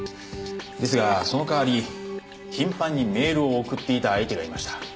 ですがその代わり頻繁にメールを送っていた相手がいました。